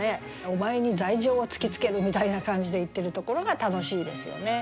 「お前に罪状を突きつける！」みたいな感じで言ってるところが楽しいですよね。